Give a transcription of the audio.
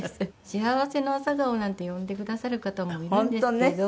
幸せの朝顔なんて呼んでくださる方もいるんですけど。